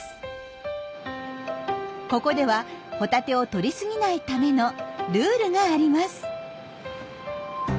ここではホタテをとりすぎないためのルールがあります。